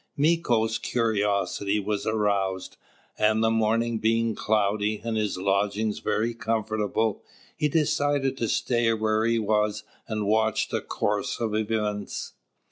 Mīko's curiosity was aroused; and, the morning being cloudy, and his lodgings very comfortable, he decided to stay where he was and watch the course of events.